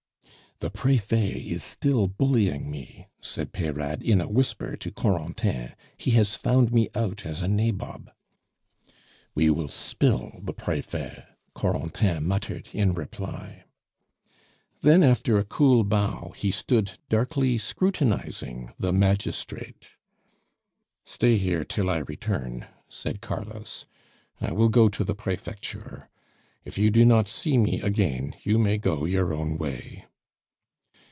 "The Prefet is still bullying me!" said Peyrade in a whisper to Corentin. "He has found me out as a nabob." "We will spill the Prefet," Corentin muttered in reply. Then after a cool bow he stood darkly scrutinizing the magistrate. "Stay here till I return," said Carlos; "I will go to the Prefecture. If you do not see me again, you may go your own way."